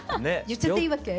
言っちゃっていいわけ？